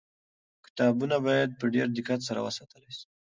کتابونه باید په ډېر دقت سره وساتل سي.